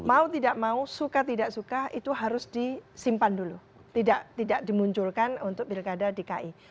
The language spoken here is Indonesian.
mau tidak mau suka tidak suka itu harus disimpan dulu tidak dimunculkan untuk pilkada dki